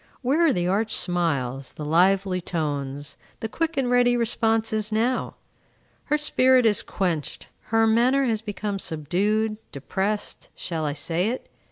Where are the arch smiles, the lively tones, the quick and ready responses now? Her spirit is quenched. Her manner has become subdued, depressed, shall I say it?